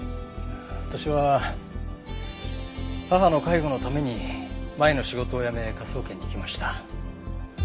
私は母の介護のために前の仕事を辞め科捜研に来ました。